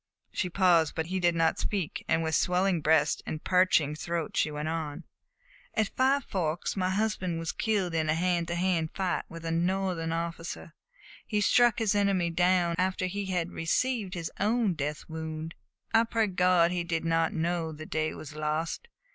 She paused, but he did not speak, and with swelling breast and parching throat she went on: "At Five Forks my husband was killed in a hand to hand fight with a Northern officer. He struck his enemy down after he had received his own death wound. I pray God he did not know the day was lost.